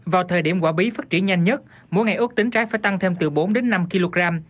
vào thời điểm quả bí phát triển nhanh nhất mỗi ngày ước tính trái phải tăng thêm từ bốn đến năm kg